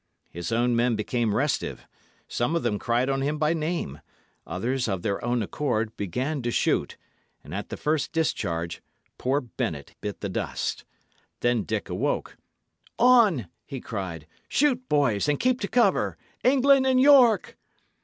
His own men became restive. Some of them cried on him by name; others, of their own accord, began to shoot; and at the first discharge poor Bennet bit the dust. Then Dick awoke. "On!" he cried. "Shoot, boys, and keep to cover. England and York!"